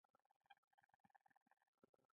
دا کیسه مې د ملا او سیاست تر عنوان پورې را یاده شوه.